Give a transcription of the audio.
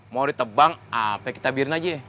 mau ditebang apa kita biarin aja